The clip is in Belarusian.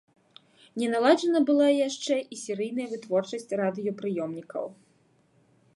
Не наладжана была яшчэ і серыйная вытворчасць радыёпрыёмнікаў.